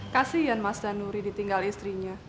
kasian mas danuri ditinggal istrinya